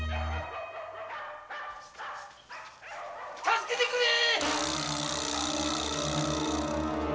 ・助けてくれ！